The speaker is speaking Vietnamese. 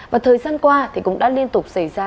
và thời gian qua thì cũng đã liên tục xảy ra